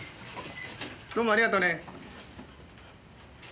どうもありがとうね。